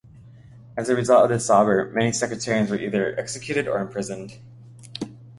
As a result of this sobor, many sectarians were either executed or imprisoned.